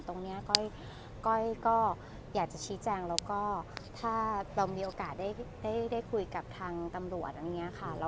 ตรงนี้ก้อยก็อยากจะชี้แจงแล้วก็ถ้าเรามีโอกาสได้คุยกับทางตำรวจอะไรอย่างนี้ค่ะ